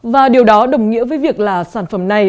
và điều đó đồng nghĩa với việc là sản phẩm này